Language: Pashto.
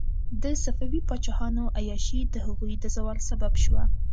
د صفوي پاچاهانو عیاشي د هغوی د زوال سبب شوه.